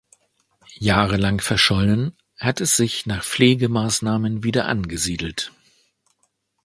Jahrelang verschollen, hat es sich nach Pflegemaßnahmen wieder angesiedelt.